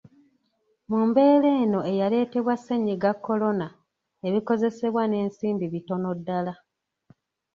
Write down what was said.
Mu mbeera eno eyaleetebwa ssennyiga Kolona, ebikozesebwa n'ensimbi bitono ddala.